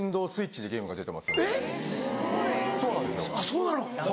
そうなの？